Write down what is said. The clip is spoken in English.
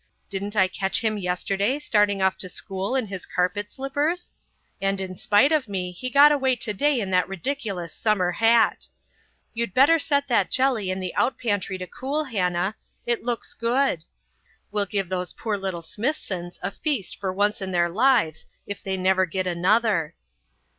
Didn't I catch him yesterday starting off to school in his carpet slippers? And in spite of me he got away today in that ridiculous summer hat. You'd better set that jelly in the out pantry to cool, Hannah; it looks good. We'll give those poor little Smithsons a feast for once in their lives if they never get another."